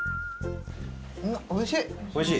おいしい？